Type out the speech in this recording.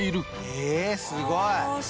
あすごい！